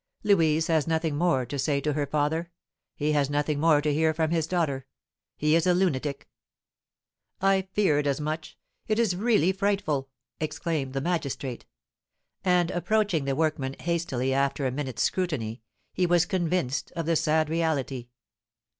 "Louise has nothing more to say to her father, he has nothing more to hear from his daughter, he is a lunatic." "I feared as much. It is really frightful!" exclaimed the magistrate. And approaching the workman hastily, after a minute's scrutiny, he was convinced of the sad reality.